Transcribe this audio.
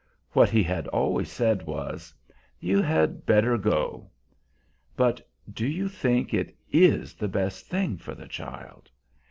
What he had always said was, "You had better go." "But do you truly think it is the best thing for the child?"